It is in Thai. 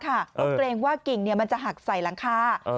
เพราะเกรงว่ากิ่งมันจะหักใส่หลังคา